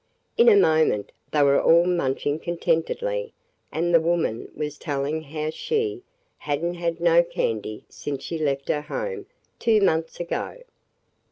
In a moment they were all munching contentedly and the woman was telling how she "had n't had no candy sence she left her home two months ago."